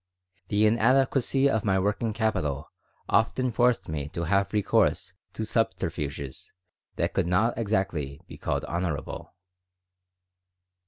The inadequacy of my working capital often forced me to have recourse to subterfuges that could not exactly be called honorable.